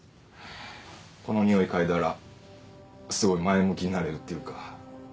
このにおい嗅いだらすごい前向きになれるっていうか。